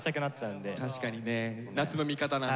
確かにね夏の味方なんだ。